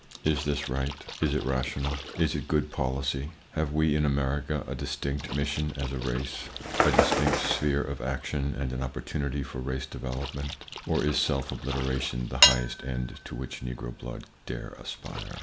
Is this right? Is it rational? Is it good policy? Have we in America a distinct mission as a race—a distinct sphere of action and an opportunity for race development, or is self obliteration the highest end to which Negro blood dare aspire?